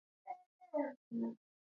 خپله پوهه له نورو سره شریکه کړئ.